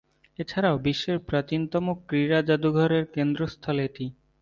এছাড়াও, বিশ্বের প্রাচীনতম ক্রীড়া যাদুঘরের কেন্দ্রস্থল এটি।